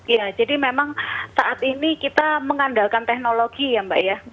ya jadi memang saat ini kita mengandalkan teknologi ya mbak ya